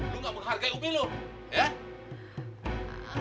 lo nggak menghargai umi lo ya